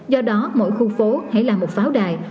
do đó mỗi khu phố hãy là một pháo đài